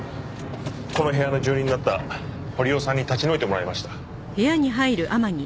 この部屋の住人だった堀尾さんに立ち退いてもらいました。